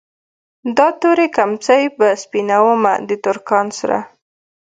دا تورې کمڅۍ به سپينومه د ترکان سره